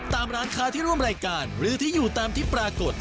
ตามร้านค้าที่ร่วมรายการหรือที่อยู่ตามที่ปรากฏ